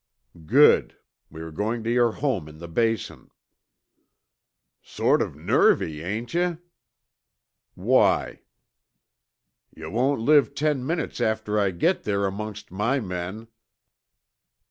"Good. We are going to your home in the Basin." "Sort of nervy, ain't yuh?" "Why?" "Yuh won't live ten minutes after I git there amongst my men."